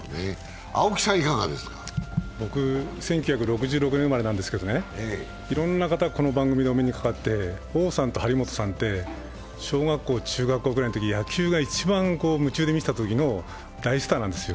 僕１９６６年生まれなんですけど、いろんな方、この番組でお目にかかって王さんと張本さんって、小学校、中学校ぐらいのとき野球が一番夢中で見てたときの大スターなんですよ。